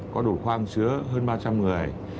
có đủ khoang chứa hơn ba trăm linh người